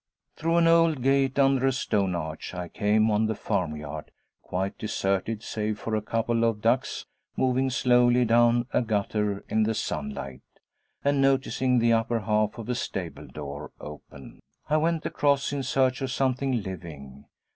Through an old gate under a stone arch I came on the farmyard, quite deserted save for a couple of ducks moving slowly down a gutter in the sunlight; and noticing the upper half of a stable door open, I went across, in search of something living.